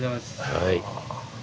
はい。